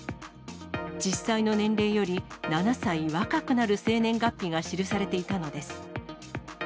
実際の年齢より７歳若くなる生年月日が記されていたのです。